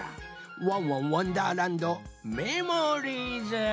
「ワンワンわんだーらんどメモリーズ」。